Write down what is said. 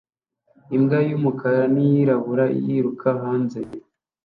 Imbwa y'umukara n'iyirabura yiruka hanze